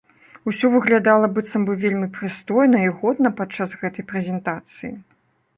Усё выглядала быццам бы вельмі прыстойна і годна падчас гэтай прэзентацыі.